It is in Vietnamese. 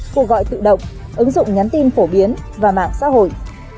cuộc gọi tự động ứng dụng nhắn tin phổ biến và mạng xã hội